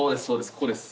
ここです。